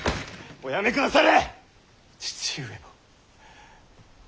おやめくだされ！